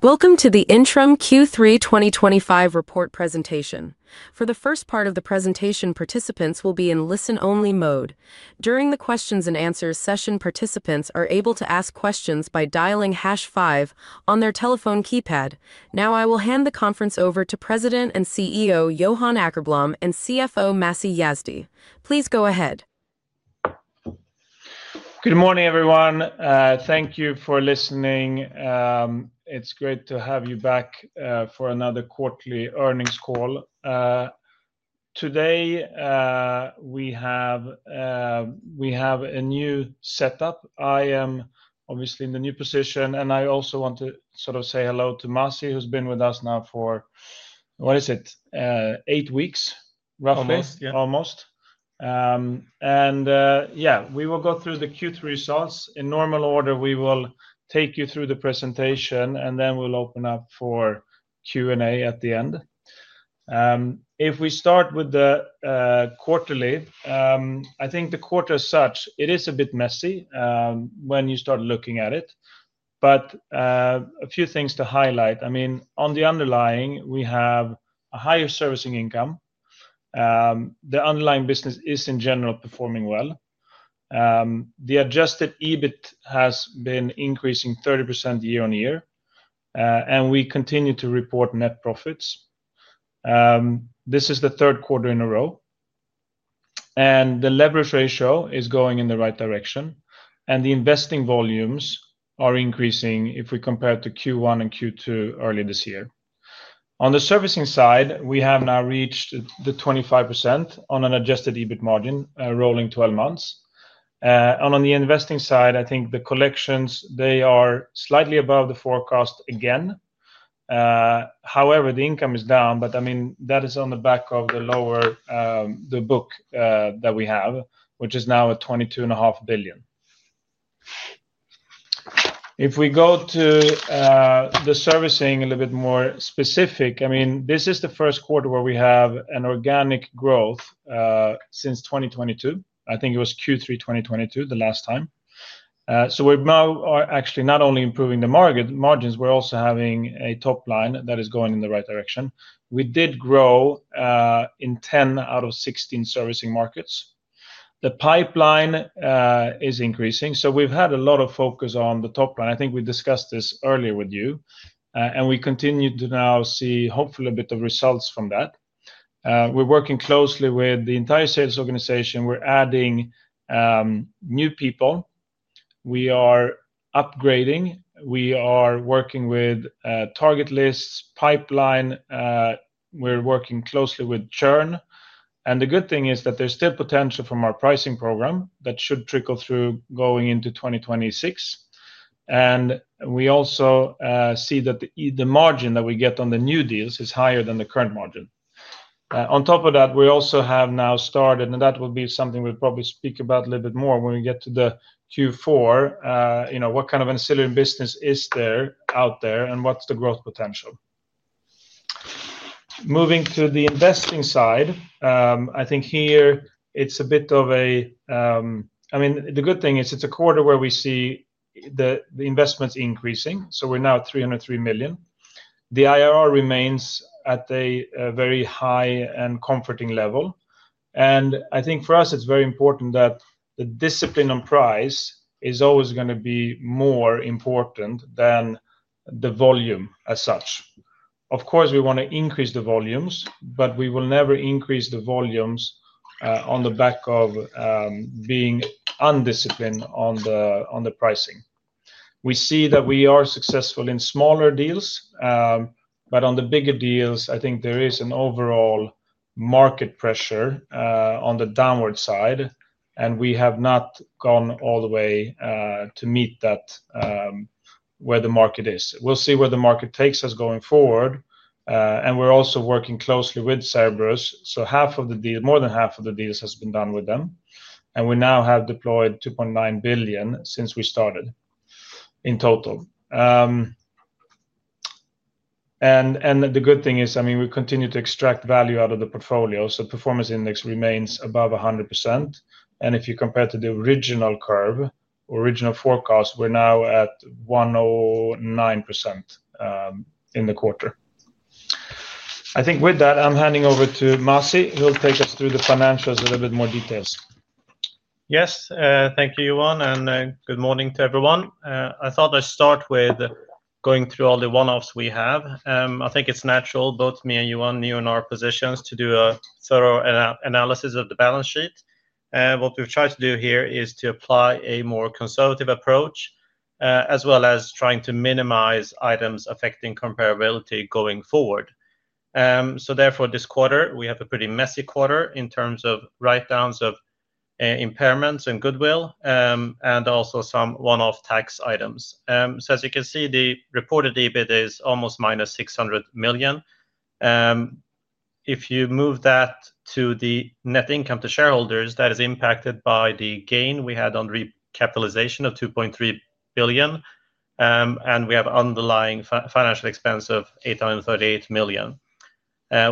Welcome to the Intrum Q3 2025 report presentation. For the first part of the presentation, participants will be in listen only mode. During the questions and answers session, participants are able to ask questions by dialing 5 on their telephone keypad. Now I will hand the conference over to President and CEO Johan Åkerblom and CFO Masih Yazdi. Please go ahead. Good morning everyone. Thank you for listening. It's great to have you back for another quarterly earnings call. Today we have a new setup. I am obviously in the new position and I also want to say hello to Masih who's been with us now for, what is it, eight weeks roughly almost. We will go through the Q3 results in normal order. We will take you through the presentation and then we'll open up for Q&A at the end. If we start with the quarterly, I think the quarter as such, it is a bit messy when you start looking at it, but a few things to highlight. On the underlying we have a higher Servicing income. The underlying business is in general performing well. The adjusted EBIT has been increasing 30% year on year and we continue to report net profits. This is the third quarter in a row and the leverage ratio is going in the right direction and the Investing volumes are increasing. If we compare to Q1 and Q2 earlier this year on the Servicing side, we have now reached the 25% on an adjusted EBIT margin rolling 12 months. On the Investing side, I think the collections, they are slightly above the forecast again, however, the income is down. That is on the back of the lower the book that we have, which is now at 22.5 billion. If we go to the Servicing a little bit more specific, this is the first quarter where we have an organic growth since 2022. I think it was Q3 2022 the last time. We now are actually not only improving the margins, we're also having a top line that is going in the right direction. We did grow in 10 out of 16 Servicing markets. The pipeline is increasing. We've had a lot of focus on the top line. I think we discussed this earlier with you and we continue to now see hopefully a bit of results from that. We're working closely with the entire sales organization. We're adding new people, we are upgrading, we are working with target lists pipeline, we're working closely with churn. The good thing is that there's still potential from our pricing program that should trickle through going into 2026. We also see that the margin that we get on the new deals is higher than the current margin. On top of that we also have now started and that will be something we'll probably speak about a little bit more when we get to the Q4. You know, what kind of ancillary business is there out there and what's the growth potential moving to the Investing side, I think here it's a bit of a. I mean the good thing is it's a quarter where we see the investments increasing. We're now at 303 million. The IRR remains at a very high and comforting level. I think for us it's very important that the discipline on price is always going to be more important than the volume as such. Of course we want to increase the volumes, but we will never increase the volumes on the back of being undisciplined on the pricing. We see that we are successful in smaller deals, but on the bigger deals I think there is an overall market pressure on the downward side and we have not gone all the way to meet that where the market is. We'll see where the market takes us going forward. We're also working closely with Cerberus. More than half of the deals have been done with them and we now have deployed 2.9 billion since we started in total. The good thing is we continue to extract value out of the portfolio. Performance index remains above 100% and if you compare to the original curve, original forecast, we're now at 1.09% in the quarter. I think with that I'm handing over to Masih who'll take us through the financials, a little bit more details. Yes, thank you Johan and good morning to everyone. I thought I'd start with going through all the one offs we have. I think it's natural, both me and Johan, you in our positions, to do a thorough analysis of the balance sheet. What we've tried to do here is to apply a more conservative approach as well as trying to minimize items affecting comparability going forward. Therefore this quarter we have a pretty messy quarter in terms of write downs of impairments and goodwill and also some one off tax items. As you can see, the reported EBIT is almost -600 million. If you move that to the net income to shareholders that is impacted by the gain we had on recapitalization of 2.3 billion and we have underlying financial expense of 838 million.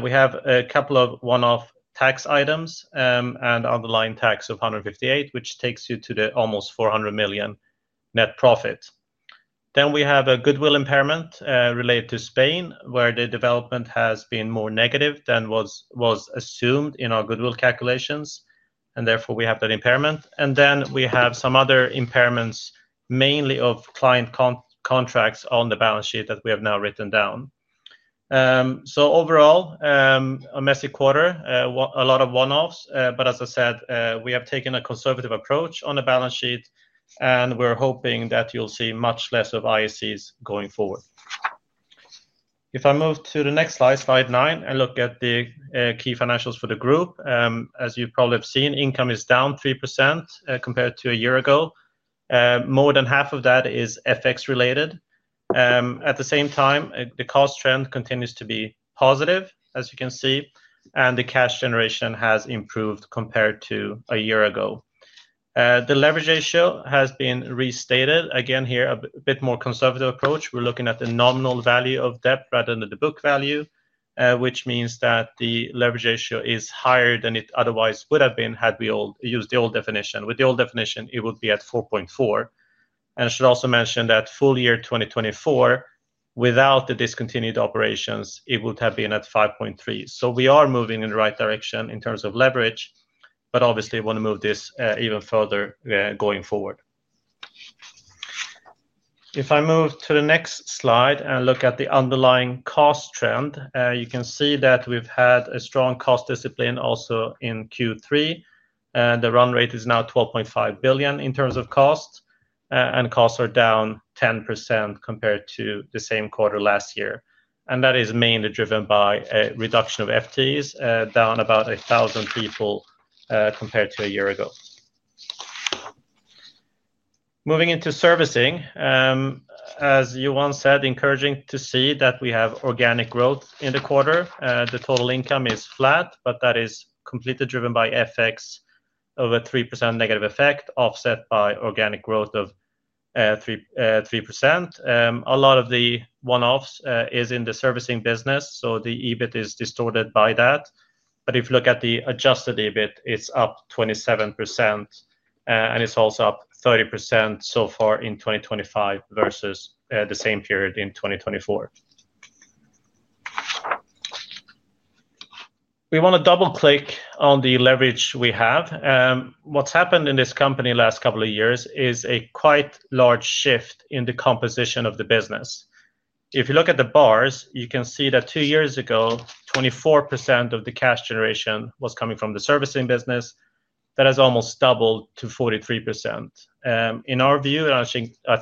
We have a couple of one off tax items and underlying tax of 158 million, which takes you to the almost 400 million net profit. We have a goodwill impairment related to Spain, where the development has been more negative than was assumed in our goodwill calculations and therefore we have that impairment and then we have some other impairments, mainly of client contracts on the balance sheet that we have now written down. Overall, a messy quarter, a lot of one offs. As I said, we have taken a conservative approach on the balance sheet and we're hoping that you'll see much less of IAS going forward. If I move to the next slide, slide 9 and look at the key financials for the group, as you probably have seen, income is down 3% compared to a year ago. More than half of that is FX related. At the same time, the cost trend continues to be positive, as you can see, and the cash generation has improved compared to a year ago. The leverage ratio has been restated. Again here, a bit more conservative approach. We're looking at the nominal value of debt rather than the book value, which means that the leverage ratio is higher than it otherwise would have been had we used the old definition. With the old definition it would be at 4.4 and I should also mention that full year 2024 without the discontinued operations it would have been at 5.3. We are moving in the right direction in terms of leverage, but obviously want to move this even further going forward. If I move to the next slide and look at the underlying cost trend, you can see that we've had a strong cost discipline. Also in Q3, the run rate is now 12.5 billion in terms of cost and costs are down 10% compared to the same quarter last year. That is mainly driven by a reduction of FTEs, down about 1,000 people compared to a year ago moving into Servicing. As Johan said, encouraging to see that we have organic growth in the quarter. The total income is flat, flat. That is completely driven by FX, over 3% negative effect offset by organic growth of 3.3%. A lot of the one-offs is in the Servicing business, so the EBIT is distorted by that. If you look at the adjusted EBIT, it's up 27% and it's also up 30% so far in 2025 versus the same period in 2024. We want to double click on the leverage we have. What's happened in this company last couple of years is a quite large shift in the composition of the business. If you look at the bars, you can see that two years ago 24% of the cash generation was coming from the Servicing business. That has almost doubled to 43% in our view. I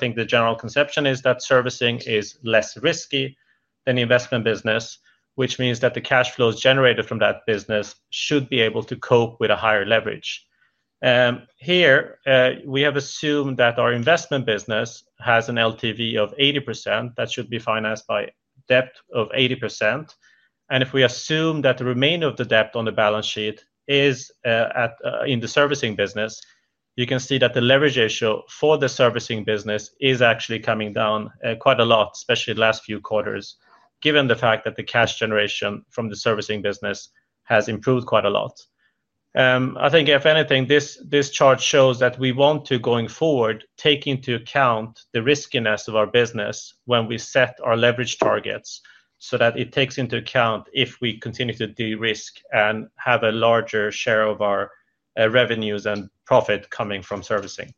think the general conception is that Servicing is less risky than the Investing business, which means that the cash flows generated from that business should be able to cope with a higher leverage. Here we have assumed that our Investing business has an LTV of 80% that should be financed by debt of 80%. If we assume that the remainder of the debt on the balance sheet is in the Servicing business, you can see that the leverage ratio for the Servicing business is actually coming down quite a lot, especially the last few quarters. Given the fact that the cash generation from the Servicing business has improved quite a lot. I think if anything, this chart shows that we want to going forward take into account the riskiness of our business when we set our leverage targets so that it takes into account if we continue to de-risk and have a larger share of our revenues and product profit coming from Servicing.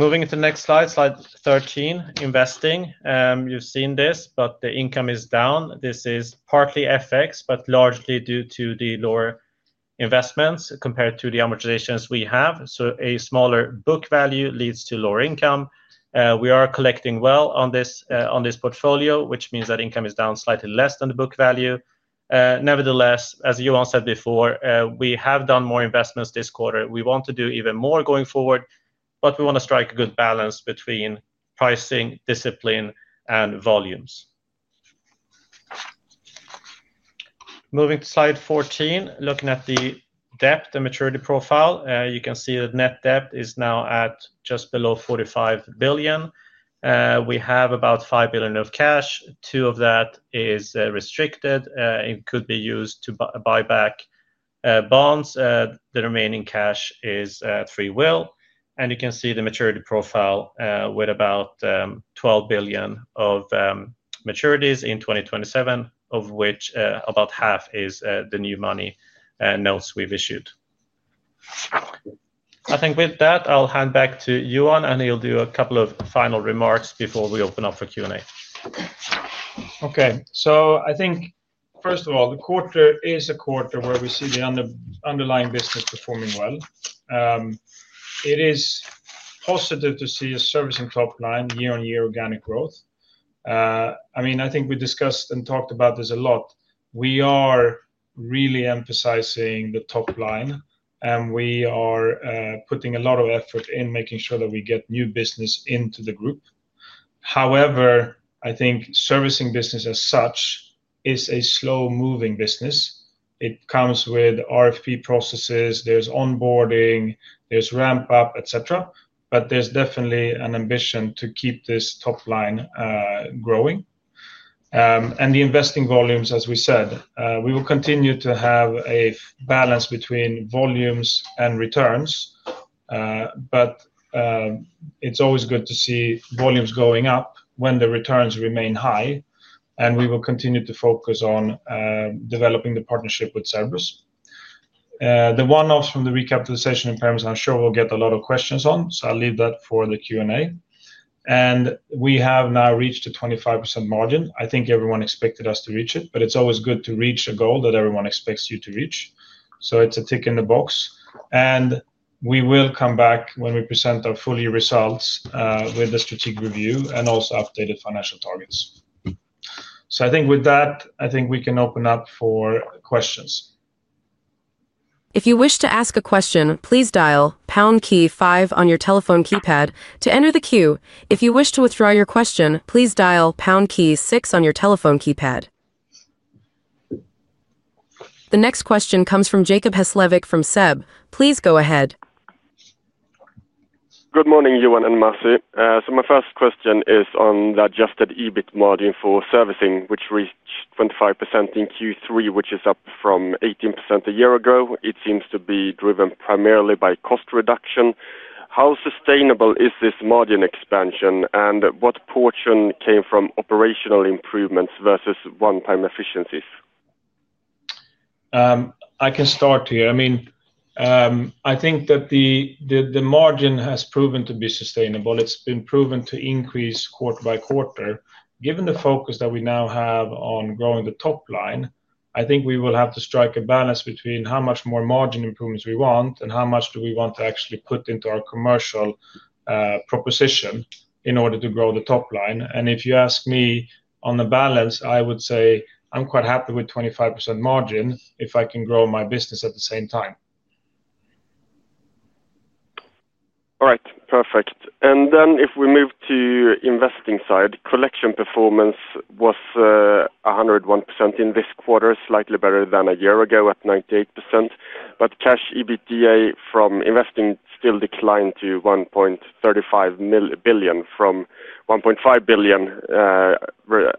Moving to the next slide, slide 13. Investing. You've seen this, but the income is down. This is partly FX but largely due to the lower investments compared to the amortizations we have. A smaller book value leads to lower income. We are collecting well on this portfolio, which means that income is down slightly less than the book value. Nevertheless, as Johan said before, we have done more investments this quarter. We want to do even more going forward. We want to strike a good balance between pricing discipline and volumes. Moving to slide 14. Looking at the debt, the maturity profile, you can see that net debt is now at just below 45 billion. We have about 5 billion of cash, 2 billion of that is restricted. It could be used to buy back bonds. The remaining cash is at free will. You can see the maturity profile with about 12 billion of maturities in 2027, of which about half is the new money notes we've issued. I think with that I'll hand back to Johan and he'll do a couple of final remarks before we open up for Q&A. Okay, I think first of all, the quarter is a quarter where we see the underlying business performing well. It is positive to see a Servicing top line year on year. Organic growth, I mean, I think we discussed and talked about this a lot. We are really emphasizing the top line, and we are putting a lot of effort in making sure that we get new business into the group. However, I think Servicing business as such is a slow moving business. It comes with RFP processes, there's onboarding, there's ramp up, etc. There's definitely an ambition to keep this top line growing and the Investing volumes. As we said, we will continue to have a balance between volumes and returns, but it's always good to see volumes going up when the returns remain high. We will continue to focus on developing the partnership with Cerberus, the one offs from the recapitalization impairments. I'm sure we'll get a lot of questions on, so I'll leave that for the Q&A. We have now reached a 25% margin. I think everyone expected us to reach it, but it's always good to reach a goal that everyone expects you to reach. It's a tick in the box. We will come back when we present our full year results with the strategic review and also updated financial targets. I think with that, I think we can open up for questions. If you wish to ask a question, please dial on your telephone keypad to enter the queue. If you wish to withdraw your question, please dial key six on your telephone keypad. The next question comes from Jacob Hesslevik from SEB. Please go ahead. Good morning, Johan and Masih. My first question is on the adjusted EBIT margin for Servicing, which reached 25% in Q3, up from 18% a year ago. It seems to be driven primarily by cost reduction. How sustainable is this margin expansion, and what pulls came from operational improvements versus one-time efficiencies? I can start here. I mean, I think that the margin has proven to be sustainable. It's been proven to increase quarter by quarter. Given the focus that we now have on growing the top line, I think we will have to strike a balance between how much more margin improvements we want and how much do we want to actually put into our commercial proposition in order to grow the top line. If you ask me, on the balance, I would say I'm quite happy with 25% margin if I can grow my business at the same time. All right, perfect. If we move to investing side, collection performance was 101% in this quarter, slightly better than a year ago at 98%. Cash EBITDA from investing side still declined to 1.35 billion from 1.5 billion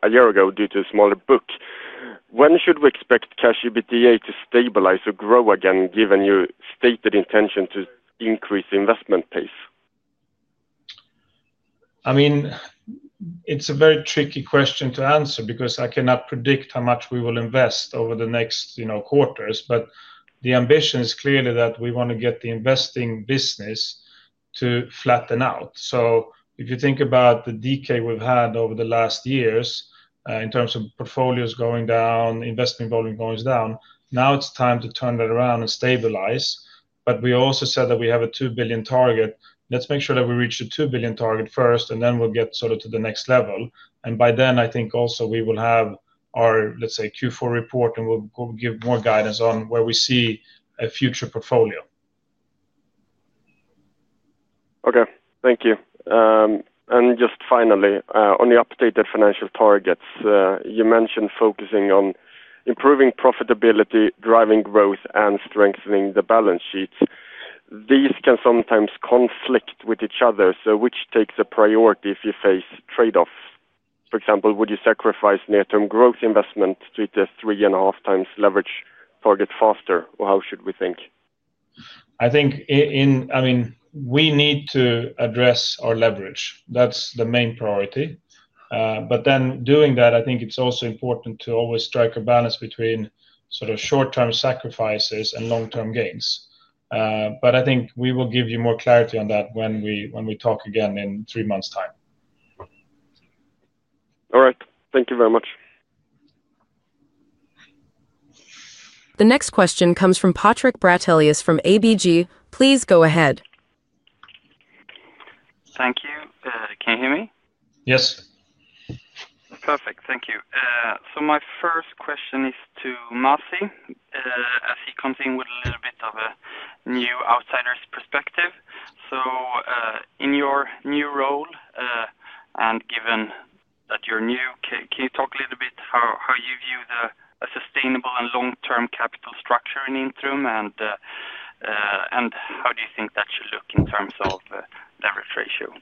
a year ago due to a smaller book. When should we expect cash EBITDA to stabilize or grow again, given your stated intention to increase investment pace? I mean, it's a very tricky question to answer because I cannot predict how much we will invest over the next quarters. The ambition is clearly that we want to get the Investing business to flatten out. If you think about the decay we've had over the last years in terms of portfolios going down, investment volume going down, now it's time to turn that around and stabilize. We also said that we have a 2 billion target. Let's make sure that we reach the 2 billion target first, and then we'll get sort of to the next level. By then I think also we will have our, let's say, Q4 report and we'll give more guidance on where we see a future portfolio. Okay, thank you. Just finally on the updated financial targets, you mentioned focusing on improving profitability, driving growth, and strengthening the balance sheet. These can sometimes conflict with each other. Which takes a priority if you face trade offs? For example, would you sacrifice near term growth investment to hit the 3.5x leverage target faster, or how should we think? I think we need to address our leverage. That's the main priority. I think it's also important to always strike a balance between sort of short term sacrifices and long term gains. I think we will give you more clarity on that when we talk again in three months' time. All right, thank you very much. The next question comes from Patrik Brattelius from ABG. Please go ahead. Thank you. Can you hear me? Yes, perfect. Thank you. My first question is to Masih as he comes in with a little bit of a new outsider's perspective. In your new role and given that you're new, can you talk a little bit how you view the sustainable and long term capital structure in Intrum and how do you think that should look in terms of the risk ratio?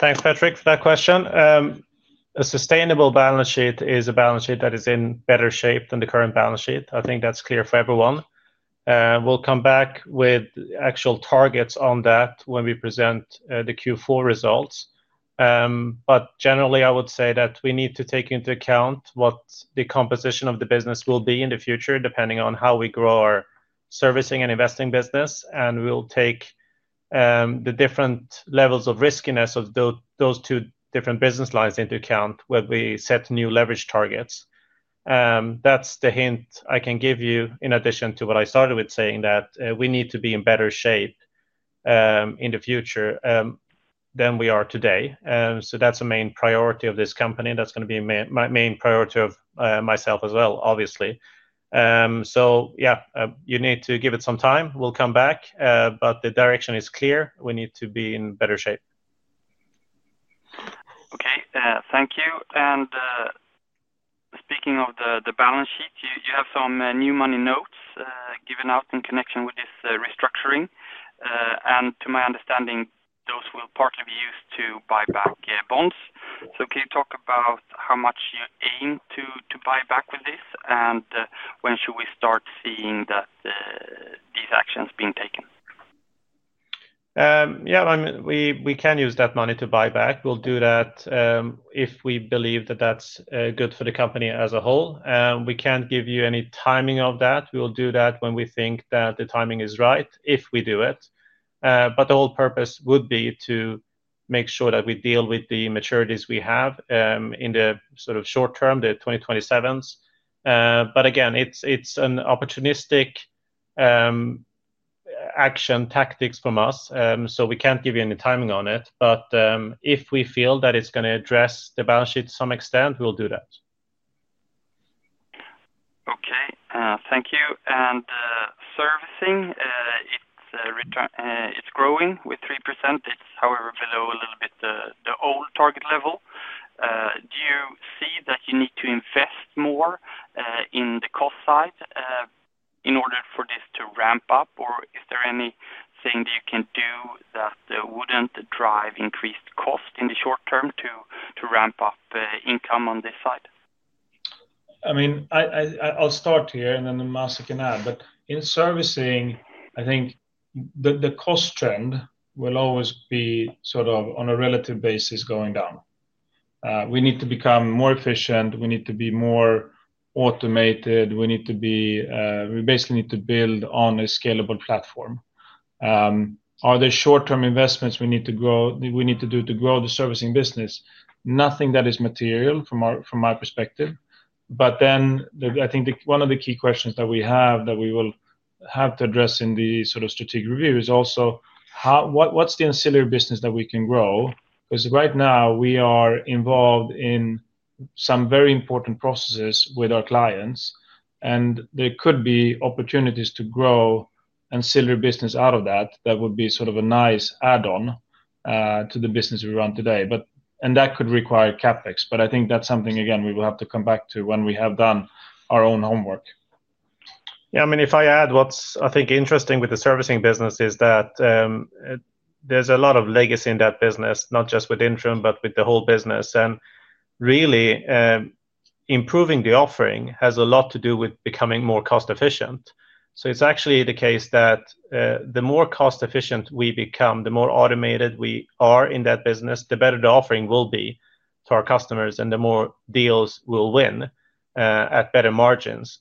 Thanks, Patrik, for that question. A sustainable balance sheet is a balance sheet that is in better shape than the current balance sheet. I think that's clear for everyone, and we'll come back with actual targets on that when we present the Q4 results. Generally, I would say that we need to take into account what the composition of the business will be in the future, depending on how we grow our Servicing and Investing business. We will take the different levels of riskiness of those two different business lines into account when we set new leverage targets. That's the hint I can give you. In addition to what I started with, saying that we need to be in better shape in the future than we are today. That's the main priority of this company. That's going to be my main priority as well. Obviously, you need to give it some time. We'll come back, but the direction is clear. We need to be in better shape. Thank you. Speaking of the balance sheet, you have some new money notes given out in connection with this restructuring and to my understanding those will partly be used to buy back bonds. Can you talk about how much you aim to buy back with this and when should we start seeing these actions being taken? Yeah, we can use that money to buy back. We'll do that if we believe that that's good for the company as a whole. We can't give you any timing of that. We'll do that when we think that the timing is right if we do it. The whole purpose would be to make sure that we deal with the maturities we have in the short term, the 2027s. Again, it's an opportunistic action tactic from us. We can't give you any timing on it. If we feel that it's going to address the balance sheet to some extent, we'll do that. Okay. Thank you. In the Servicing, it's growing with 3%. It's however below a little bit the old target level. Do you see that you need to invest more in the cost side in order for this to ramp up, or is there anything that you can do that wouldn't drive increased cost in the short term to ramp up income on this side? I'll start here and then Masih can add. In the Servicing, I think the cost trend will always be, sort of on a relative basis, going down. We need to become more efficient, we need to be more automated, we need to be. We basically need to build on a scalable platform. Are there short-term investments we need to do to grow the Servicing business? Nothing that is material from my perspective. I think one of the key questions that we have, that we will have to address in the sort of strategic review, is also what's the ancillary business that we can grow? Right now we are involved in some very important processes with our clients and there could be opportunities to grow ancillary business out of that. That would be a nice add-on to the business we run today and that could require CapEx. I think that's something, again, we will have to come back to when we have done our own homework. I mean, if I add what I think is interesting with the Servicing business, it's that there's a lot of legacy in that business, not just with Intrum but with the whole business. Really improving the offering has a lot to do with becoming more cost efficient. It's actually the case that the more cost efficient we become, the more automated we are in that business, the better the offering will be to our customers and the more deals we'll win at better margins.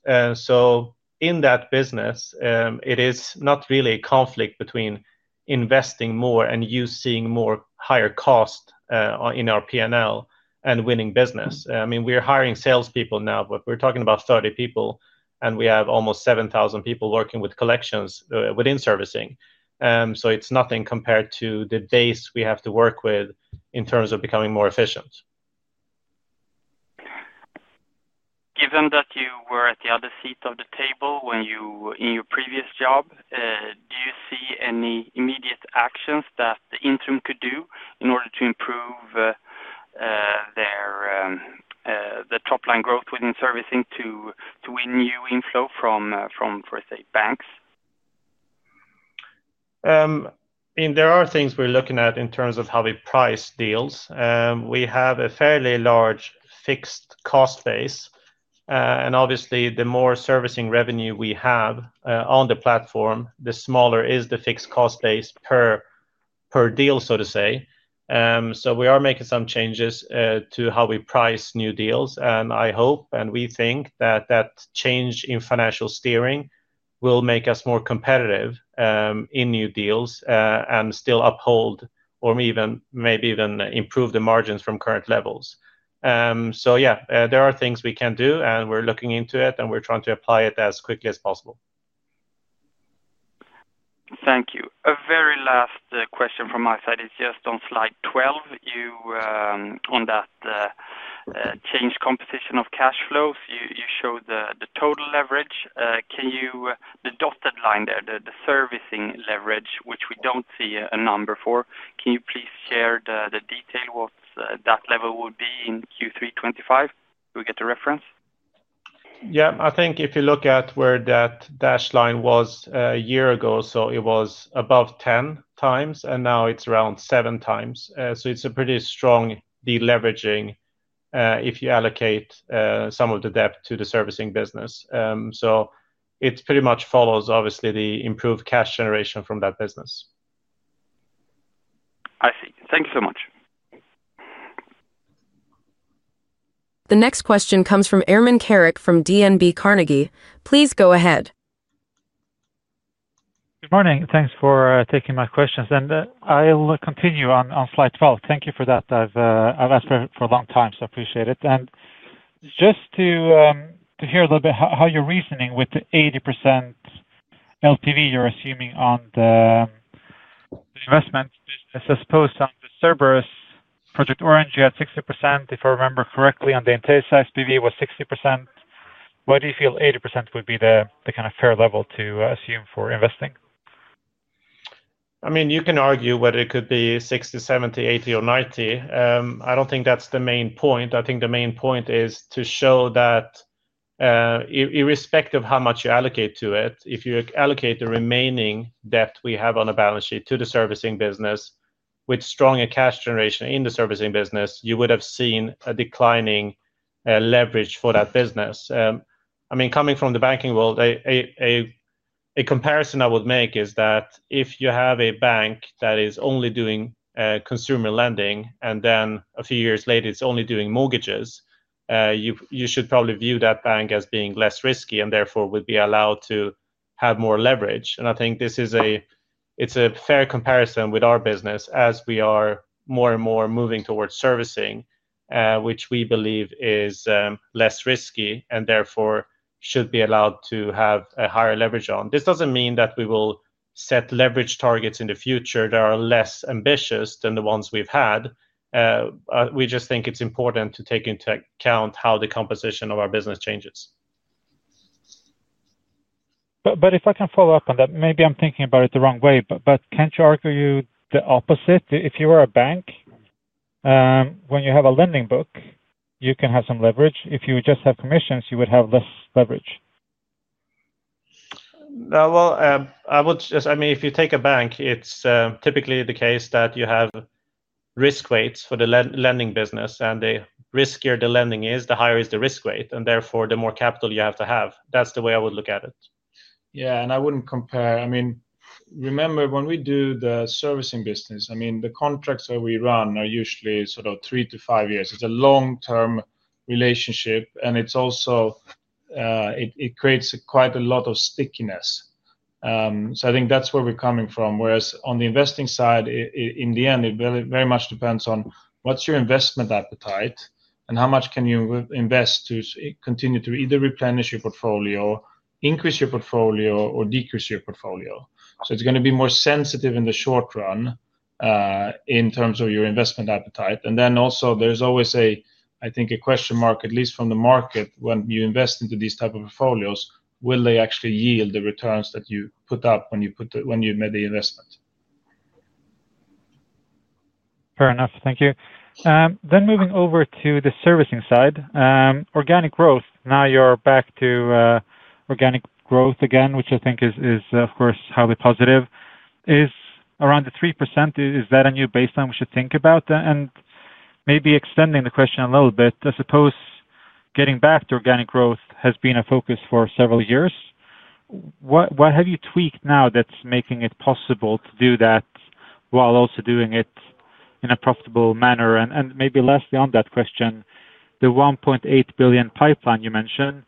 In that business, it is not really a conflict between investing more and you seeing higher cost in our P&L and winning business. We are hiring salespeople now, but we're talking about 30 people, and we have almost 7,000 people working with collections within Servicing. It's nothing compared to the base we have to work with in terms of becoming more efficient. Given that you were at the other seat of the table when you in your previous job, do you see any immediate actions that Intrum could do in order to improve the top line growth within the Servicing to win new inflow from banks? There are things we're looking at in terms of how we price deals. We have a fairly large fixed cost base, and obviously the more Servicing revenue we have on the platform, the smaller is the fixed cost base per deal, so to say. We are making some changes to how we price new deals, and I hope and we think that that change in financial steering will make us more competitive in new deals and still uphold or maybe even improve the margins from current levels. There are things we can do, and we're looking into it and we're trying to apply it as quickly as possible. Thank you. A very last question from my side is just on slide 12 on that change composition of cash flows. You showed the total leverage, the dotted line there, the Servicing leverage, which we don't see a number for. Can you please share the detail what that level would be in Q3 2025, we get a reference. Yeah, I think if you look at where that dash line was a year ago, it was above 10 times and now it's around 7 times. It's a pretty strong deleveraging if you allocate some of the debt to the Servicing business. It pretty much follows, obviously, the improved cash generation from that business. I see. Thank you so much. The next question comes from Ermin Keric from DNB Carnegie. Please go ahead. Good morning. Thanks for taking my questions. I'll continue on slide 12. Thank you for that. I've asked for a long time, so I appreciate it. Just to hear a little bit how you're reasoning with the 80% LTV you're assuming on the investment business. I suppose on the Cerberus Project Orange you had 60% if I remember correctly, on the Intesa SPV was 60%. Why do you feel 80% would be the kind of fair level to assume for Investing? You can argue whether it could be 60, 70, 80, or 90. I don't think that's the main point. I think the main point is to show that irrespective of how much you allocate to it, if you allocate the remaining debt we have on a balance sheet to the Servicing business, with stronger cash generation in the Servicing business, you would have seen a declining leverage for that business. Coming from the banking world, a comparison I would make is that if you have a bank that is only doing consumer lending and then a few years later it's only doing mortgages, you should probably view that bank as being less risky and therefore would be allowed to have more leverage. I think it's a fair comparison with our business as we are more and more moving towards Servicing, which we believe is less risky and therefore should be allowed to have a higher leverage on. This doesn't mean that we will set leverage targets in the future that are less ambitious than the ones we've had. We just think it's important to take into account how the composition of our business changes. If I can follow up on that, maybe I'm thinking about it the wrong way, but can't you argue the opposite? If you were a bank, when you have a lending book, you can have some leverage. If you just have commissions, you would have less leverage. I mean, if you take a bank, it's typically the case that you have risk weights for the lending business, and the riskier the lending is, the higher is the risk weight, and therefore the more capital you have to have. That's the way I would look at it. Yeah, I wouldn't compare. I mean, remember when we do the Servicing business, the contracts that we run are usually sort of three to five years. It's a long-term relationship, and it also creates quite a lot of stickiness. I think that's where we're coming from. Whereas on the Investing side, in the end it very much depends on what's your investment appetite and how much you can invest to continue to either replenish your portfolio, increase your portfolio, or decrease your portfolio. It's going to be more sensitive in the short run in terms of your investment appetite. There's always, I think, a question mark, at least from the market. When you invest into these types of portfolios, will they actually yield the returns that you put up when you've made the investment. Fair enough, thank you. Moving over to the Servicing side, organic growth. Now you're back to organic growth again, which I think is of course highly positive, is around the 3%. Is that a new baseline we should think about and maybe extending the question a little bit? I suppose getting back to organic growth has been a focus for several years. What have you tweaked now that's making it possible to do that while also doing it in a profitable manner? Lastly on that question, the 1.8 billion pipeline you mentioned,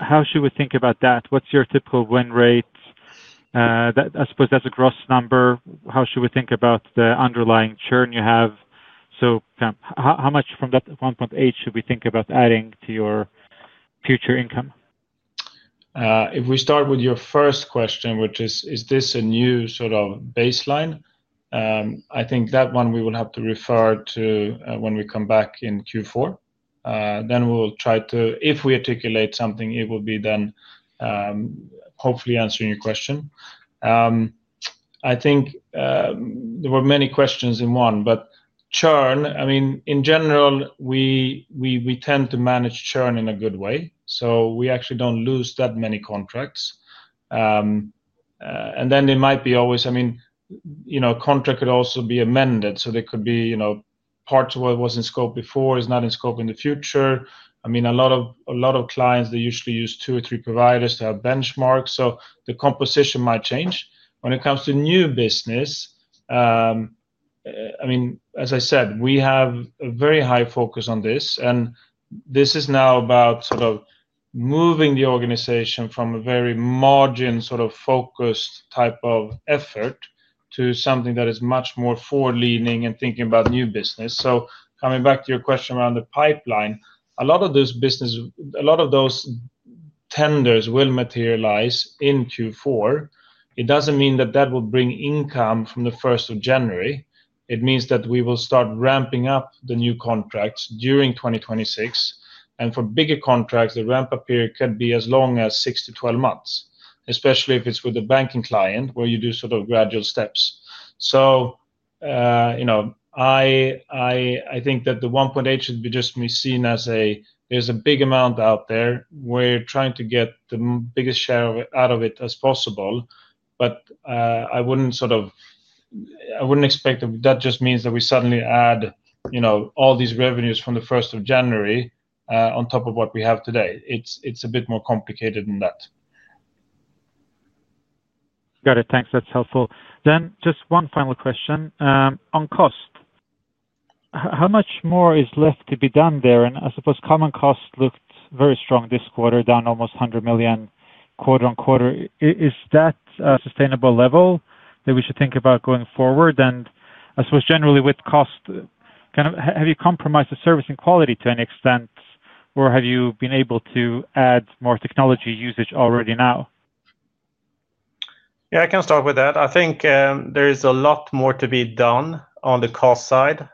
how should we think about that? What's your typical win rate? I suppose that's a gross number. How should we think about the underlying churn you have? How much from that 1.8 billion should we think about adding to your future income? If we start with your first question, which is, is this a new sort of baseline? I think that one we will have to refer to when we come back in Q4. If we articulate something, it will be then, hopefully answering your question. I think there were many questions in one. Churn, I mean in general we tend to manage churn in a good way, so we actually don't lose that many contracts. They might be always, I mean, you know, a contract could also be amended so parts of what was in scope before are not in scope in the future. A lot of clients usually use two or three providers to have benchmarks, so the composition might change when it comes to new business. As I said, we have a very high focus on this and this is now about moving the organization from a very margin-focused type of effort to something that is much more forward leaning and thinking about new business. Coming back to your question around the pipeline, a lot of those business, a lot of those tenders will materialize in Q4. It doesn't mean that will bring income from January 1. It means that we will start ramping up the new contracts during 2026. For bigger contracts, the ramp-up period can be as long as six to twelve months, especially if it's with a banking client where you do gradual steps. I think that the 1.8 should just be seen as a, there's a big amount out there. We're trying to get the biggest share out of it as possible. I wouldn't expect that just means that we suddenly add all these revenues from January 1 on top of what we have today. It's a bit more complicated than that. Got it, thanks. That's helpful. Just one final question on cost. How much more is left to be done there? I suppose common cost looked very strong this quarter, down almost 100 million quarter on quarter. Is that a sustainable level that we should think about going forward? I suppose generally with cost, have you compromised the Servicing quality to any extent or have you been able to add more technology usage already now? Yeah, I can start with that. I think there is a lot more to be done on the cost side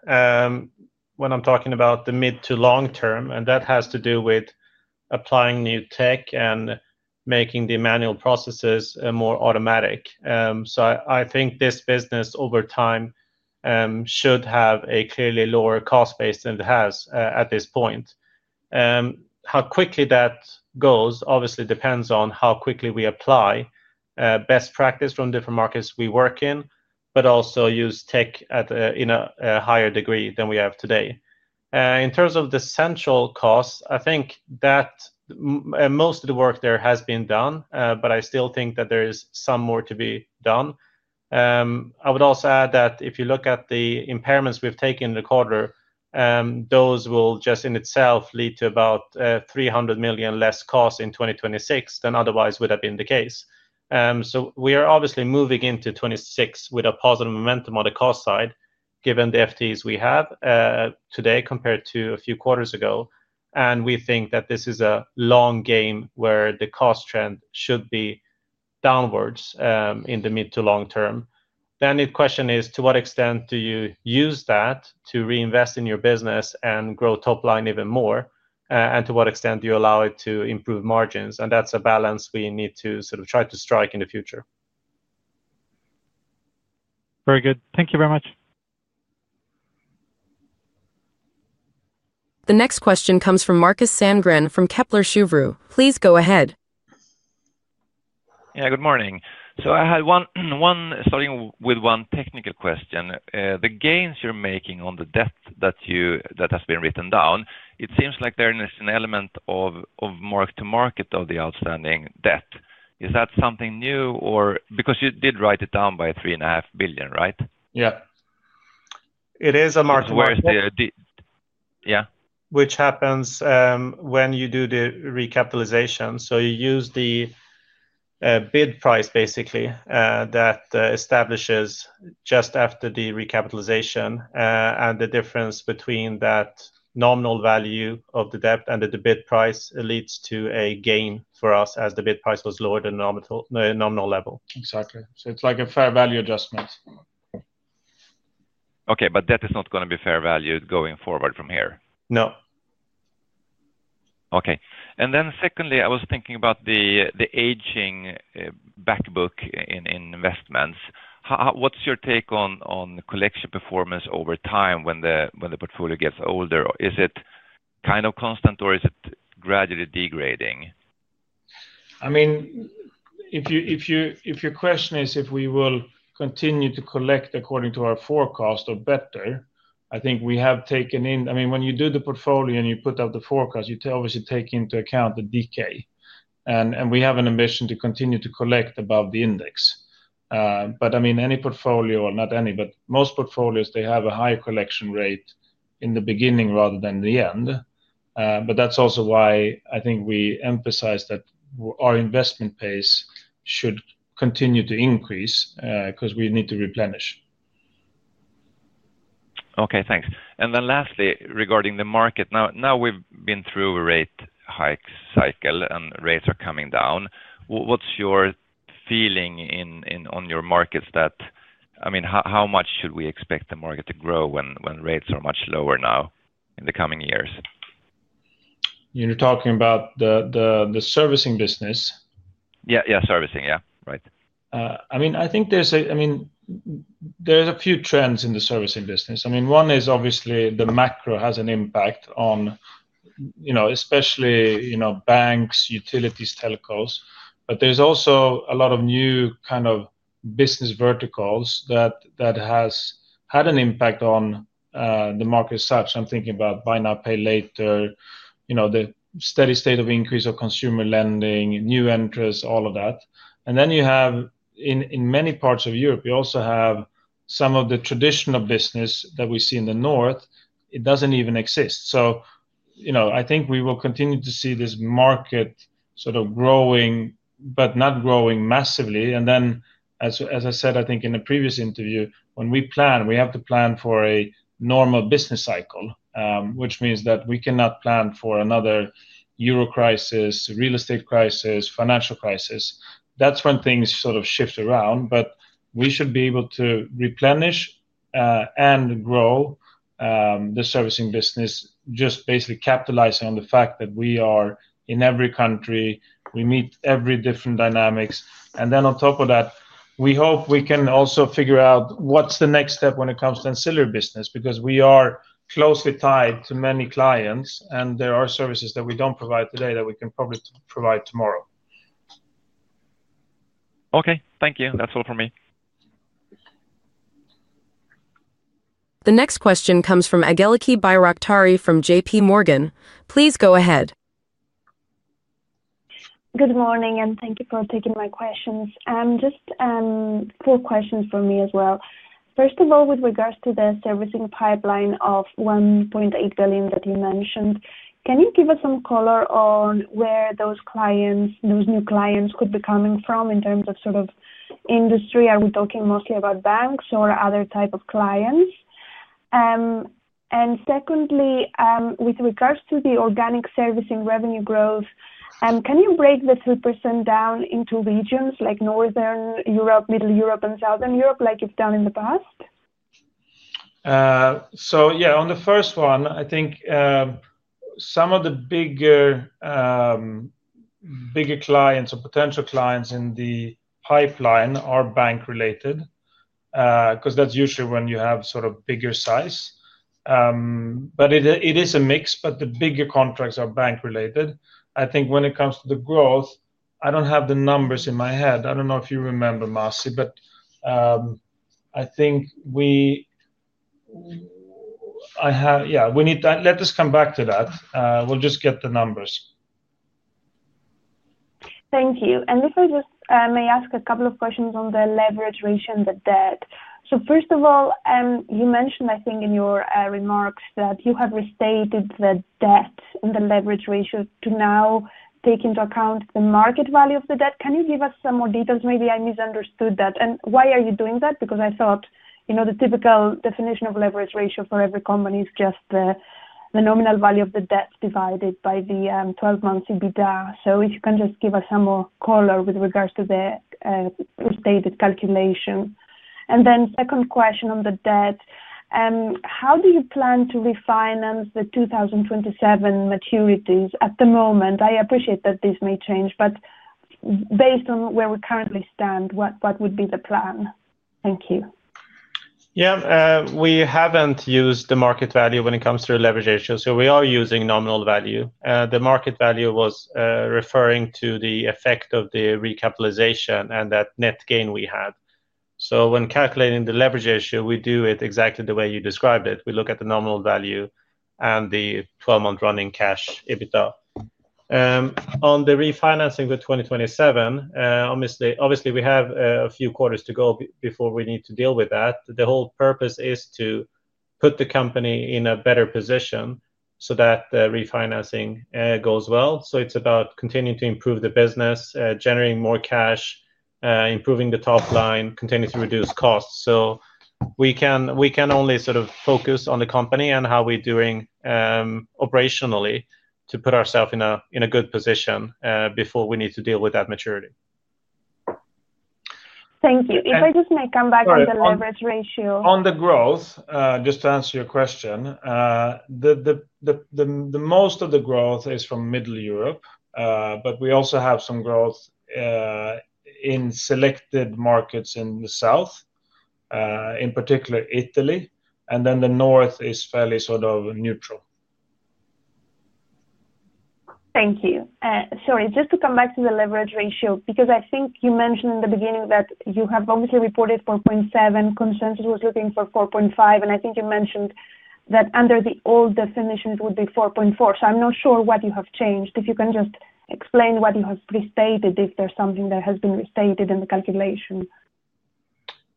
when I'm talking about the mid to long term, and that has to do with applying new tech and making the manual processes more automatic. I think this business over time should have a clearly lower cost base than it has at this point. How quickly that goes obviously depends on how quickly we apply best practice from different markets we work in, but also use tech in a higher degree than we have today. In terms of the central costs, I think that most of the work there has been done, but I still think that there is some more to be done. I would also add that if you look at the impairments we've taken in the quarter, those will just in itself lead to about 300 million less costs in 2026 than otherwise would have been the case. We are obviously moving into 2026 with a positive momentum on the cost side, given the FTEs we have today compared to a few quarters ago. We think that this is a long game where the cost trend should be downwards in the mid to long term. The question is to what extent do you use that to reinvest in your business and grow top line even more and to what extent do you allow it to improve margins? That's a balance we need to try to strike in the future. Very good, thank you very much. The next question comes from Markus Sandgren, from Kepler Cheuvreux. Please go ahead. Good morning. I had one technical question. The gains you're making on the debt that you, that has been written down, it seems like there is an element of mark to market of the outstanding debt. Is that something new? You did write it down by 3.5 billion, right? Yeah. It is a mark-to-market. Yeah. This happens when you do the recapitalization. You use the bid price, basically that establishes just after the recapitalization, and the difference between that nominal value of the debt and the bid price leads to a gain for us as the bid price was lower than the nominal level. Exactly, it's like a fair value adjustment. Okay, debt is not going to be fair value going forward from here. No. Okay. Secondly, I was thinking about the aging back book in Investing. What's your take on collection performance over time? When the portfolio gets older, is it kind of constant or is it gradually degrading? If your question is if we will continue to collect according to our forecast or better, I think we have taken in. When you do the portfolio and you put out the forecast, you obviously take into account the decay. We have an ambition to continue to collect above the index. Most portfolios have a higher collection rate in the beginning rather than the end. That is also why I think we emphasize that our investment pace should continue to increase because we need to replenish. Okay, thanks. Lastly, regarding the market, now we've been through a rate hike cycle and rates are coming down. What's your feeling on your markets? I mean, how much should we expect the market to grow when rates are much lower now in the coming years? You're talking about the Servicing segment. Yeah, yeah. Servicing, yeah. Right. I think there's a few trends in the Servicing business. One is obviously the macro has an impact on, especially banks, utilities, telcos. There's also a lot of new kind of business verticals that has had an impact on the market. I'm thinking about Buy Now, Pay Later, the steady state of increase of consumer lending, new interest, all of that. In many parts of Europe, you also have some of the traditional business that we see in the north. It doesn't even exist. I think we will continue to see this market sort of growing, but not growing massively. As I said, I think in a previous interview, when we plan, we have to plan for a normal business cycle, which means that we cannot plan for another euro crisis, real estate crisis, financial crisis. That's when things sort of shift around. We should be able to replenish and grow the Servicing business, just basically capitalizing on the fact that we are in every country, we meet every different dynamics. On top of that, we hope we can also figure out what's the next step when it comes to ancillary business because we are closely tied to many clients and there are services that we don't provide today that we can probably provide tomorrow. Okay, thank you. That's all for me. The next question comes from Angeliki Bairaktari from JPMorgan. Please go ahead. Good morning and thank you for taking my questions. Just four questions for me as well. First of all, with regards to the Servicing pipeline of 1.8 billion that you mentioned, can you give us some color on where those clients, new clients could be coming from in terms of sort of industry? Are we talking mostly about banks or other type of clients? Secondly, with regards to the organic Servicing revenue growth, can you break the 3% down into regions like Northern Europe, Middle Europe, and Southern Europe like you've done in the past? On the first one, I think some of the bigger, bigger clients or potential clients in the pipeline are bank related because that's usually when you have sort of bigger size, but it is a mix. The bigger contracts are bank related. I think when it comes to the growth, I don't have the numbers in my head. I don't know if you remember, Marci, but I think we need to let us come back to that. We'll just get the numbers. Thank you. If I just may ask a couple of questions on the leverage ratio and the debt. First of all, you mentioned, I think in your remarks that you have restated the debt and the leverage ratio to now take into account the market value of the debt. Can you give us some more details? Maybe I misunderstood that. Why are you doing that? I thought the typical definition of leverage ratio for every company is just the nominal value of the debt divided by the 12 months EBITDA. If you can just give us some more color with regards to the stated calculation. Second question on the debt, how do you plan to refinance the 2027 maturities at the moment? I appreciate that this may change, but based on where we currently stand, what would be the plan? Thank you. Yeah, we haven't used the market value when it comes to leverage ratio. We are using nominal value. The market value was referring to the effect of the recapitalization and that net gain we had. When calculating the leverage ratio, we do it exactly the way you described it. We look at the nominal value and the 12-month running cash EBITDA. On the refinancing with 2027, obviously we have a few quarters to go before we need to deal with that. The whole purpose is to put the company in a better position so that refinancing goes well. It is about continuing to improve the business, generating more cash, improving the top line, and continuing to reduce costs. We can only sort of focus on the company and how we're doing operationally to put ourselves in a good position before we need to deal with that maturity. Thank you. If I just may come back on the leverage ratio. On the growth just to answer your question, most of the growth is from middle Europe, but we also have some growth in selected markets in the south, in particular Italy, and the north is fairly sort of neutral. Thank you. Sorry, just to come back to the leverage ratio because I think you mentioned in the beginning that you have obviously reported 4.7. Consensus was looking for 4.5. I think you mentioned that under the old definition it would be 4.4. I'm not sure what you have changed. If you can just explain what you have restated, if there's something that has been restated in the calculation.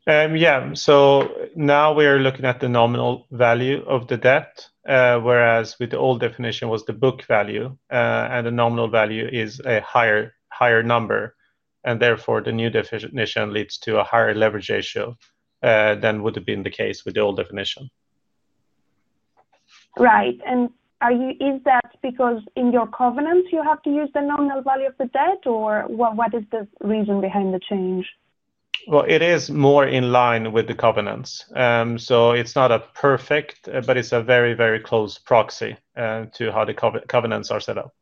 Yeah. We are now looking at the nominal value of the debt, whereas with the old definition it was the book value, and the nominal value is a higher number. Therefore, the new definition leads to a higher leverage ratio than would have been the case with the old definition. Right. Is that because in your covenants you have to use the nominal value of that, or what is the reason behind the change? It is more in line with the covenants. It's not perfect, but it's a very, very close proxy to how the covenants are set up.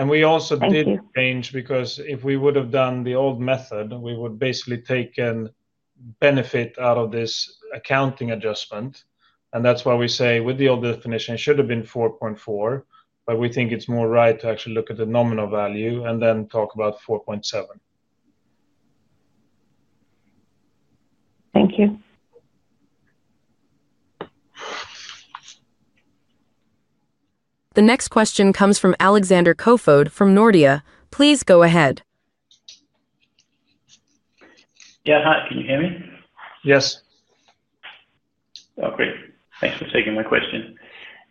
We also did change because if we would have done the old method, we would basically take and benefit out of this accounting adjustment. That is why we say with the old definition it should have been 4.4. We think it's more right to actually look at the nominal value and then talk about 4.7. Thank you. The next question comes from Alexander Koefoed from Nordea. Please go ahead. Hi, can you hear me? Yes. Oh, great. Thanks for taking my question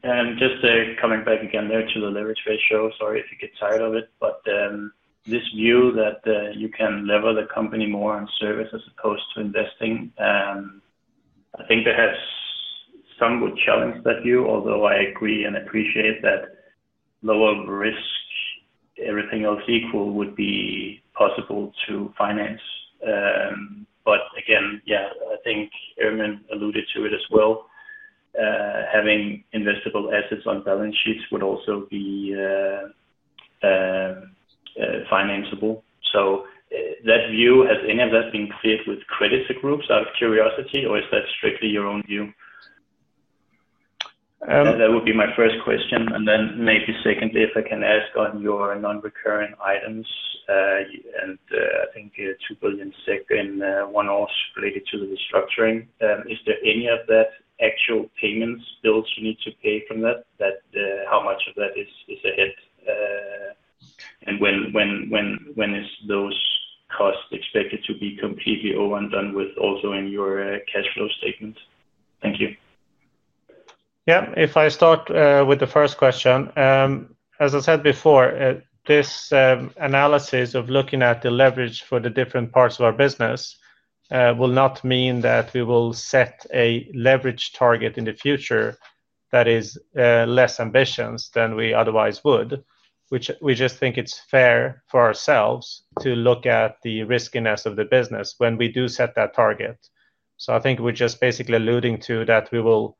and just coming back again to the leverage ratio. Sorry if you get tired of it, but this view that you can lever the company more on service as opposed to investing, I think perhaps some would challenge that view. Although I agree and appreciate that lower risk, everything else equal, would be possible to finance. I think Ermin alluded to it as well. Having investable assets on balance sheets would also be financeable. That view, has any of that been cleared with creditor groups? Out of curiosity, or is that strictly your own view? That would be my first question. Maybe secondly, if I can ask on your non-recurring items, and I think 2 billion SEK second one-off related to the restructuring, is there any of that actual payments, bills you need to pay from that, how much of that is ahead and when are those costs expected to be completely over and done with? Also in your cash flow statement. Thank you. Yeah. If I start with the first question, as I said before, this analysis of looking at the leverage for the different parts of our business will not mean that we will set a leverage target in the future that is less ambitious than we otherwise would, which we just think it's fair for ourselves to look at the riskiness of the business when we do set that target. I think we're just basically alluding to that. We will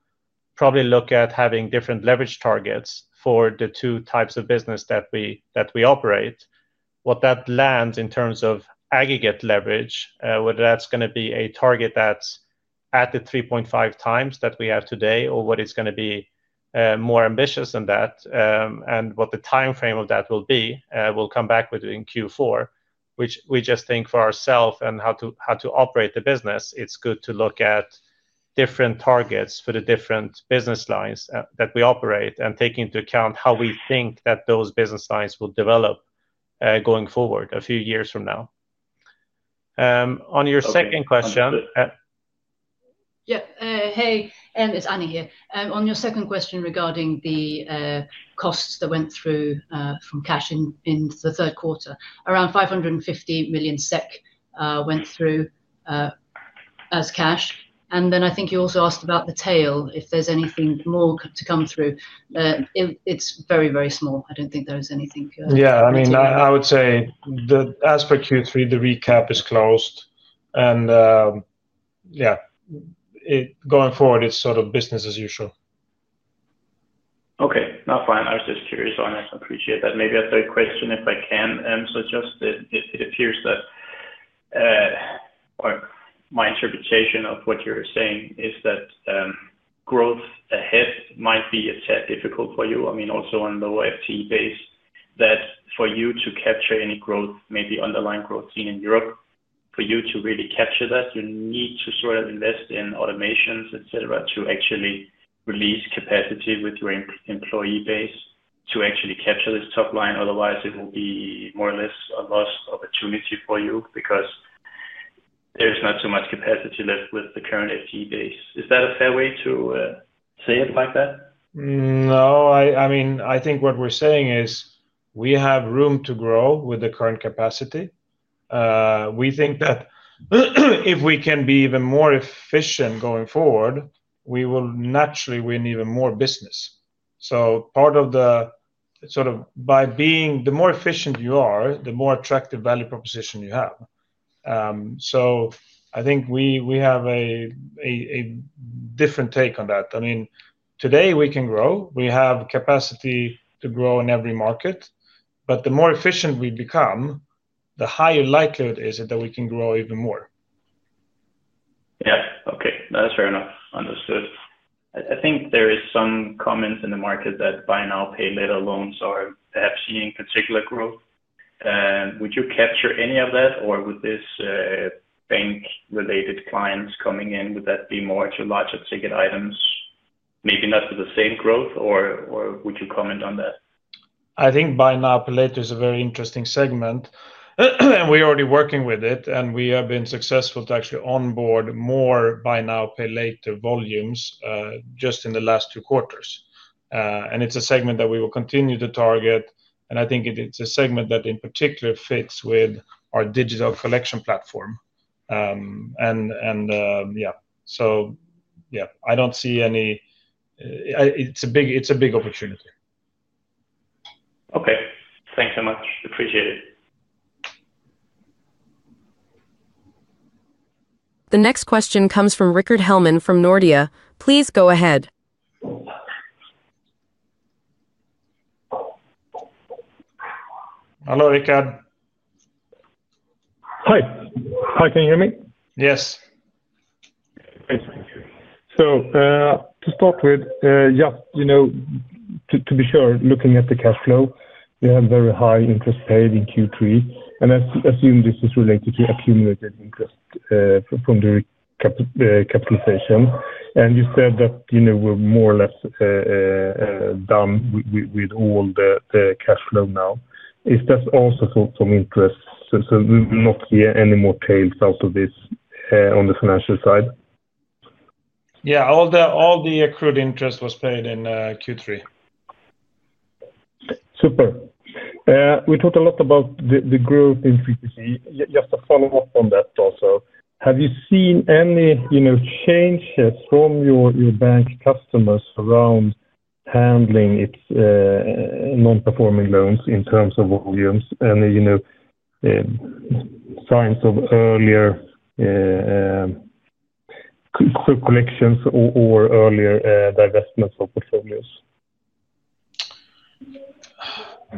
probably look at having different leverage targets for the two types of business that we operate. What that lands in terms of aggregate leverage, whether that's going to be a target that's at the 3.5 times that we have today or what is going to be more ambitious than that and what the timeframe of that will be, we'll come back with in Q4, which we just think for ourselves and how to operate the business. It's good to look at different targets for the different business lines that we operate and take into account how we think that those business lines will develop going forward a few years from now. On your second question. Yeah, hey, it's Annie here on your second question regarding the costs that went through from cash in the third quarter. Around 550 million SEK went through as cash. I think you also asked about the tail, if there's anything more to come through. It's very, very small. I don't think there is anything. I mean, I would say that as per Q3, the recap is closed. Going forward it's sort of business as usual. Okay. I was just curious on it. I appreciate that. Maybe a third question if I can. It appears that my interpretation of what you're saying is that growth ahead might be a tad difficult for you. I mean also on low FTE base that for you to capture any growth, maybe underlying growth seen in Europe, for you to really capture that, you need to sort of invest in automations, et cetera, to actually release capacity with your employee base to actually capture this top line. Otherwise, it will be more or less a lost opportunity for you because there's not too much capacity left with the current FTE base. Is that a fair way to say it like that? I think what we're saying is we have room to grow with the current capacity. We think that if we can be even more efficient going forward, we will naturally win even more business. Part of the sort of by being the more efficient you are, the more attractive value proposition you have. I think we have a different take on that. Today we can grow. We have capacity to grow in every market. The more efficient we become, the higher likelihood is it that we can grow even more. Yeah. Okay, that's fair enough. Understood. I think there is some comments in the market that Buy Now, Pay Later loans are perhaps seeing particular growth. Would you capture any of that? Or with this bank related clients coming in, would that be more to larger ticket items? Maybe not with the same growth or would you comment on that? I think Buy Now, Pay Later is a very interesting segment and we're already working with it and we have been successful to actually onboard more Buy Now, Pay Later volumes just in the last two quarters. It's a segment that we will continue to target and I think it's a segment that in particular fits with our digital collection platform. I don't see any, it's a big opportunity. Okay, thanks so much. Appreciate it. The next question comes from Rickard Hellman from Nordea. Please go ahead. Hello, Ricard. Hi. Can you hear me? Yes. To start with, just to be sure, looking at the cash flow, we have very high interest paid in Q3 and I assume this is related to accumulated income from the recapitalization and you said that we're more or less done with all the cash flow now. Is that also from interest? We will not see any more tails out of this on the financial side. Yeah, all the accrued interest was paid in Q3. Super. We talked a lot about the growth in CPC. Yes, just a follow up on that. Also, have you seen any changes from your bank customers around handling its non-performing loans in terms of volumes and signs of earlier collections or earlier divestments of portfolios?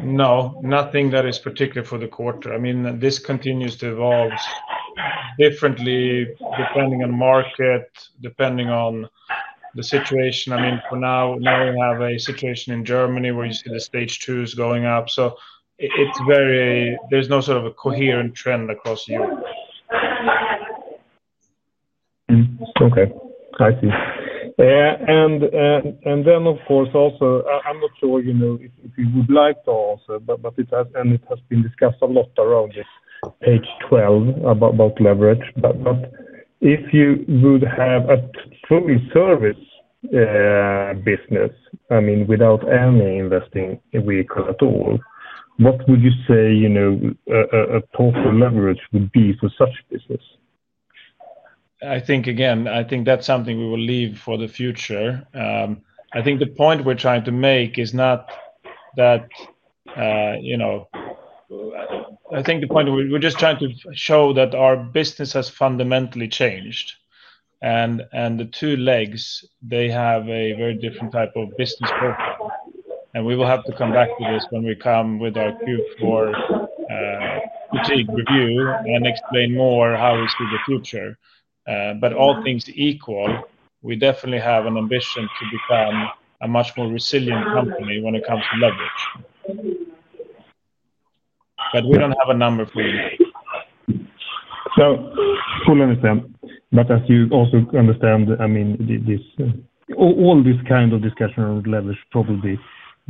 No, nothing that is particular for the quarter. I mean this continues to evolve differently depending on market, depending on the situation. For now we have a situation in Germany where you see the stage twos going up. It's very, there's no sort of a coherent trend across Europe. Okay, I see. Of course, also I'm not sure, you know, if you would like to also. It has been discussed a lot around this page 12 about leverage. If you would have a fully Servicing business, I mean, without any Investing vehicle at all, what would you say, you know, a total leverage would be for such business? I think that's something we will leave for the future. The point we're trying to make is not that, you know, the point we're just trying to show is that our business has fundamentally changed and the two legs have a very different type of business. We will have to come back to this when we come with our Q4 fatigue review and explain more how we see the future. All things equal, we definitely have an ambition to become a much more resilient company when it comes to leverage. We don't have a number for you. I fully understand. As you also understand, I mean, all this kind of discussion around leverage probably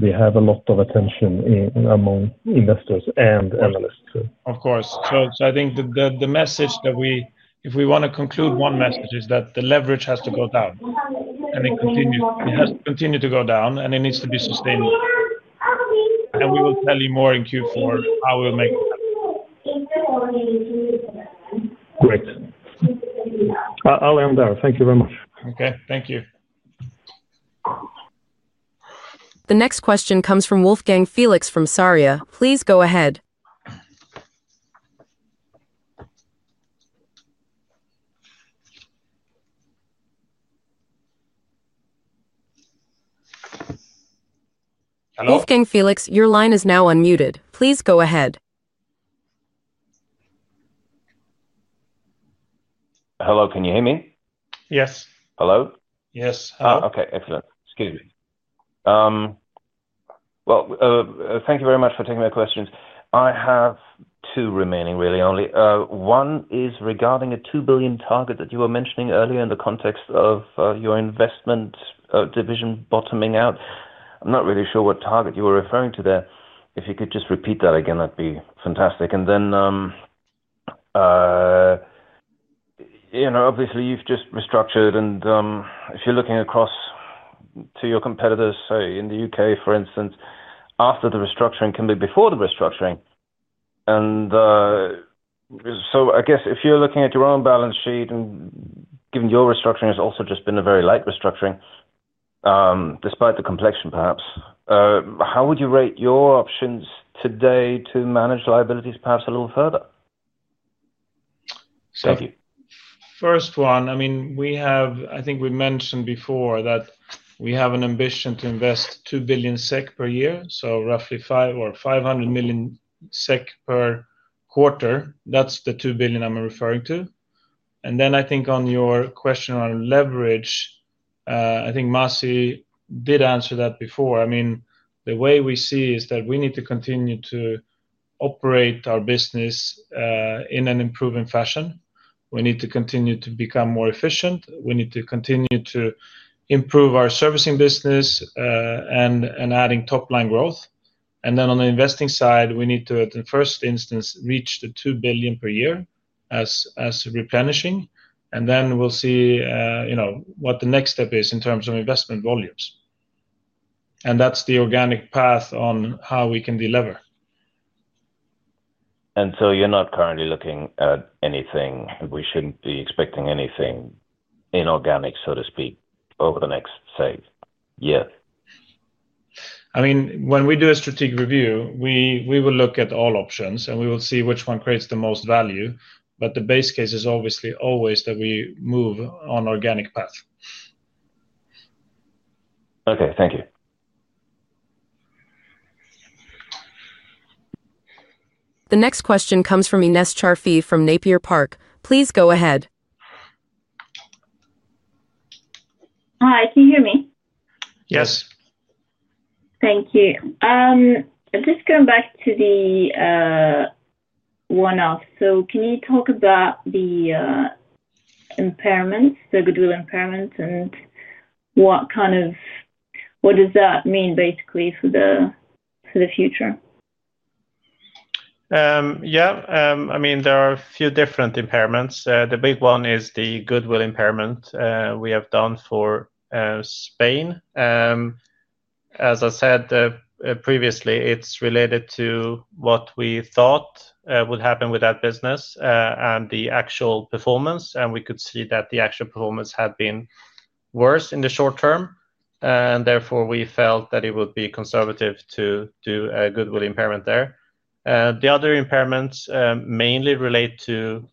has a lot of attention among investors and analysts. Of course, I think the message that we, if we want to conclude one message, is that the leverage has to go down, and it continues. It has to continue to go down, and it needs to be sustained. We will tell you more in Q4 how we'll make. Great, I'll end there. Thank you very much. Okay, thank you. The next question comes from Wolfgang Felix from Sarria. Please go ahead. Wolfgang Felix, your line is now unmuted. Please go ahead. Hello, can you hear me? Yes. Hello? Yes. Okay. Excellent. Thank you very much for taking my questions. I have two remaining. Really only one is regarding a 2 billion target that you were mentioning earlier in the context of your investment division bottoming out. I'm not really sure what target you were referring to there. If you could just repeat that again, that'd be fantastic. Obviously you've just restructured and if you're looking across to your competitors, say in the U.K. for instance, after the restructuring can be before the restructuring. I guess if you're looking at your own balance sheet and given your restructuring has also just been a very light restructuring, despite the complexion, perhaps how would you rate your options today to manage liabilities? Perhaps a little further. Thank you. First one, I mean, we have, I think we mentioned before that we have an ambition to invest 2 billion SEK per year. So roughly 500 million SEK per quarter. That's the 2 billion I'm referring to. I think on your question on leverage, I think Masih did answer that before. The way we see is that we need to continue to operate our business in an improving fashion. We need to continue to become more efficient. We need to continue to improve our Servicing segment and adding top line growth. On the Investing side, we need to first instance reach the 2 billion per year as replenishing and then we'll see what the next step is in terms of investment volumes. That's the organic path on how we can deliver. You're not currently looking at anything. We shouldn't be expecting anything inorganic, so to speak, over the next, say. Yeah, I mean when we do a strategic review, we will look at all options and we will see which one creates the most value. The base case is obviously always that we move on organic path. Okay, thank you. The next question comes from Ines Charfi from Napier Park. Please go ahead. Hi, can you hear me? Yes. Thank you. Just going back to the one off, can you talk about the impairments, the goodwill impairments, and what does that mean basically for the future? Yeah, I mean there are a few different impairments. The big one is the goodwill impairment we have done for Spain. As I said previously, it's related to what we thought would happen with that business and the actual performance. We could see that the actual performance had been worse in the short term, and therefore we felt that it would be conservative to do a goodwill impairment there. The other impairments mainly relate to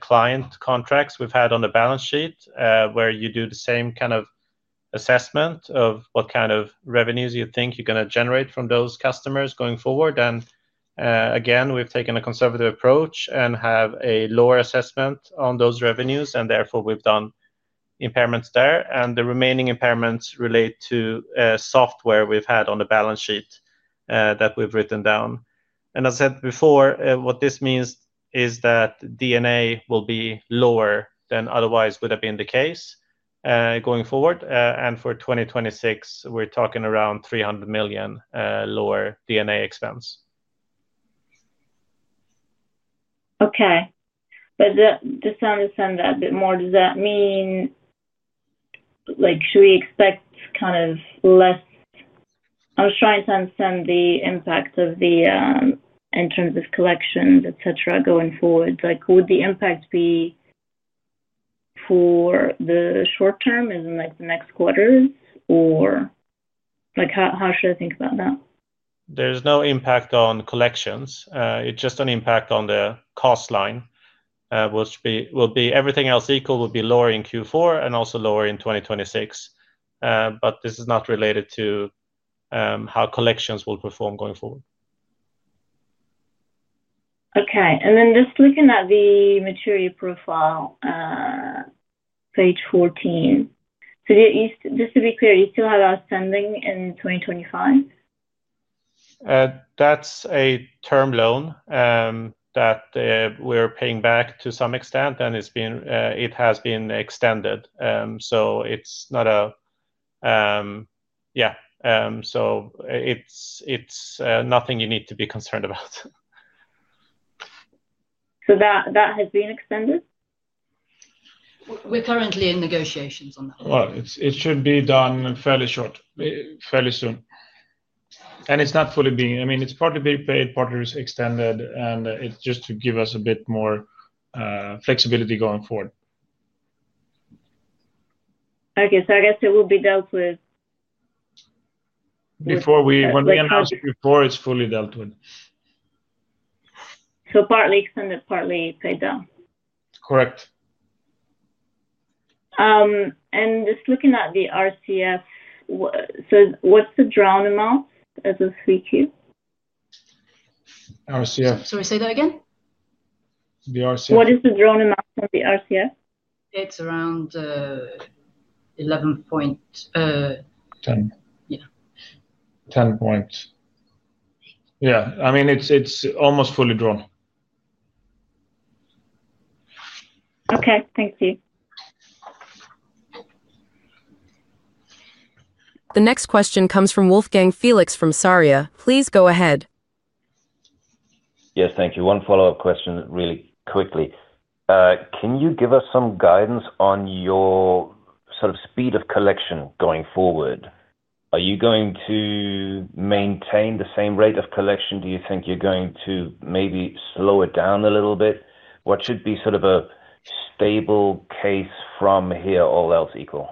client contracts we've had on the balance sheet, where you do the same kind of assessment of what kind of revenues you think you're going to generate from those customers going forward. We've taken a conservative approach and have a lower assessment of those revenues. Therefore, we've done impairments there. The remaining impairments relate to software we've had on the balance sheet that we've written down. As I said before, what this means is that D&A will be lower than otherwise would have been the case going forward. For 2026, we're talking around 300 million lower D&A expenses. Okay, just to understand that a bit more, does that mean, like, should we expect kind of less? I was trying to understand the impact, in terms of collections, et cetera, going forward. Would the impact be for the short term in the next quarters, or how should I think about that? There's no impact on collections, it's just an impact on the cost line, which, everything else equal, will be lower in Q4 and also lower in 2026. This is not related to how collections will perform going forward. Okay. Just looking at the material profile, page 14, just to be clear, you still have outstanding in 2025. That's a term loan that we're paying back to some extent, and it has been extended. It's nothing you need to be concerned about. That has been extended. We're currently in negotiations on that. It should be done fairly short, fairly soon. It's not fully being, I mean it's partly being paid, partly extended, and it's just to give us a bit more flexibility going forward. Okay, I guess it will be dealt with. Before we announce it, before it's fully dealt with. Partly extended, partly pay down. Correct. Just looking at the RCF, what's the drawn amount as of 3Q? RCF. Sorry, say that again. What is the drawn amount of the RCF? It's around 11 point. 10. Yeah, 10 points. I mean, it's almost fully drawn. Okay, thank you. The next question comes from Wolfgang Felix from Sarria. Please go ahead. Yes, thank you. One follow up question really quickly. Can you give us some guidance on your sort of speed of collection going forward? Are you going to maintain the same rate of collection? Do you think you're going to maybe slow it down a little bit? What should be sort of a stable case from here, all else equal.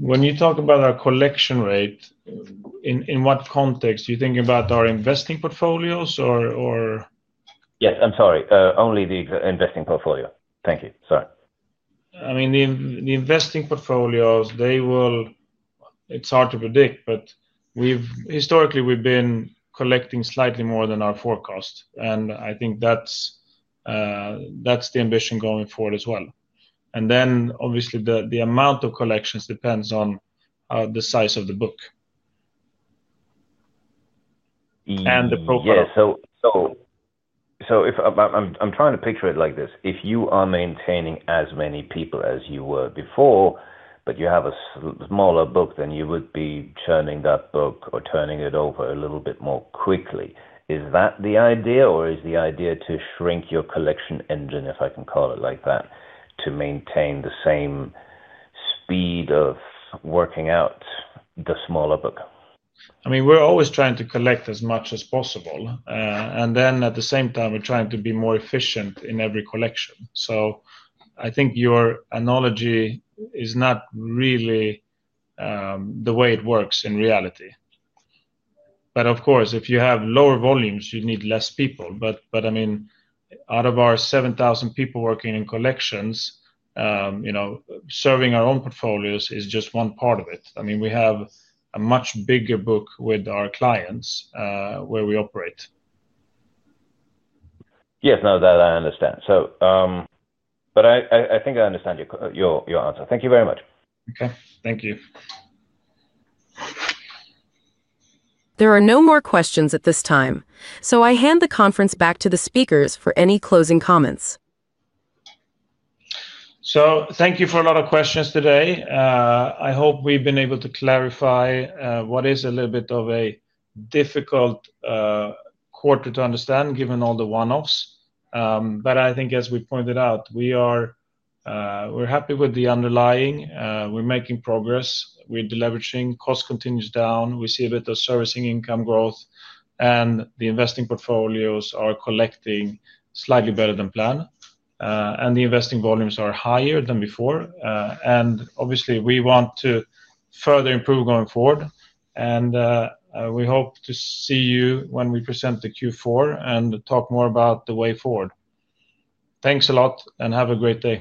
When you talk about our collection rate, in what context you think about our Investing portfolios? Yes, I'm sorry, only the Investing portfolio. Thank you. The investing portfolios, they will. It's hard to predict, but historically we've been collecting slightly more than our forecast and I think that's the ambition going forward as well. Obviously, the amount of collections depends on the size of the book and the profile. I'm trying to picture it like this. If you are maintaining as many people as you were before, but you have a smaller book, then you would be churning that book or turning it over a little bit more quickly. Is that the idea, or is the idea to shrink your collection engine, if I can call it like that, to maintain the same speed of working out the smaller book? I mean, we're always trying to collect as much as possible, and at the same time we're trying to be more efficient in every collection. I think your analogy is not really the way it works in reality. Of course, if you have lower volumes, you need less people. Out of our 7,000 people working in collections, serving our own portfolios is just one part of it. We have a much bigger book with our clients where we operate. Yes, now that I understand, I think I understand your answer. Thank you very much. Okay, thank you. There are no more questions at this time, so I hand the conference back to the speakers for any closing comments. Thank you for a lot of questions today. I hope we've been able to clarify what is a little bit of a difficult quarter to understand given all the one-offs. I think as we pointed out, we're happy with the underlying, we're making progress, we're deleveraging. Cost continues down, we see a bit of Servicing income growth and the Investing portfolios are collecting slightly better than planned and the Investing volumes are higher than before. Obviously, we want to further improve going forward and we hope to see you when we present the Q4 and talk more about the way forward. Thanks a lot and have a great day.